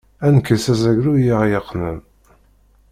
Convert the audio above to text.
Ad nekkes azaglu i ɣ-yeqqnen.